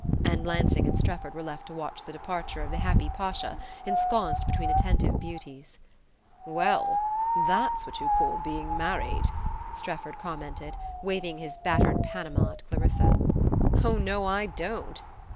And Lansing and Strefford were left to watch the departure of the happy Pasha ensconced between attentive beauties. "Well that's what you call being married!" Strefford commented, waving his battered Panama at Clarissa. "Oh, no, I don't!"